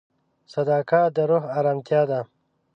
صداقت د روح ارامتیا ده.